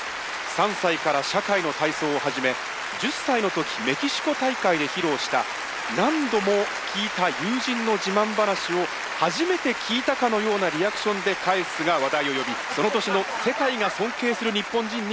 ３歳から社会の体操を始め１０歳の時メキシコ大会で披露した「何度も聞いた友人の自慢話を初めて聞いたかのようなリアクションで返す」が話題を呼びその年の「世界が尊敬する日本人」に選ばれました。